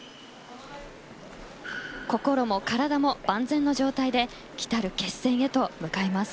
心も体も万全の状態で来る決戦へと向かいます。